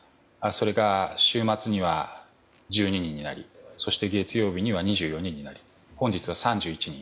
それが週末には１２人になりそして月曜日には２４人になり本日は３１人。